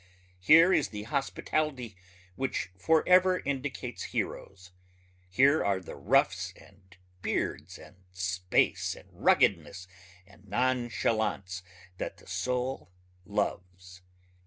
Here is the hospitality which forever indicates heroes.... Here are the roughs and beards and space and ruggedness and nonchalance that the soul loves.